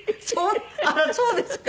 あらそうですか？